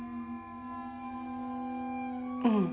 うん。